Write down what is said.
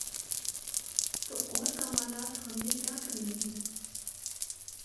تو اور کمالات ہم نے کیا کرنے ہیں۔